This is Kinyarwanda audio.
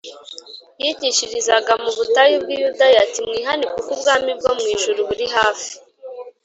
yigishiriza mu butayu bw’i Yudaya ati“Mwihane kuko ubwami bwo mu ijuru buri hafi